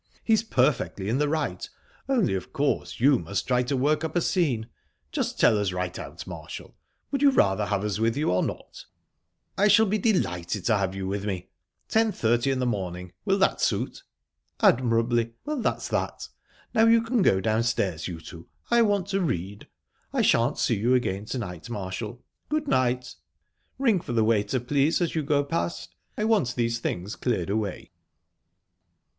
He's perfectly in the right, only, of course, you must try to work up a scene. Just tell us right out, Marshall would you rather have us with you, or not?" "I shall be delighted to have you with me...10.30 in the morning will that suit?" "Admirably. Well, that's that. Now you can go downstairs, you two. I want to read. I shan't see you again to night, Marshall...Good night!...Ring for the waiter, please, as you go past. I want these things cleared away."